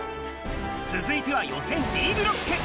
続いては予選Ｄブロック。